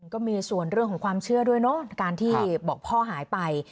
ก็มีส่วนเรื่องของความเชื่อด้วยเนอะการที่บอกพ่อหายไป